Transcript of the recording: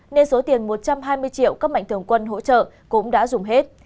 nên số tiền một trăm hai mươi triệu các mạnh thường quân hỗ trợ cũng đã dùng hết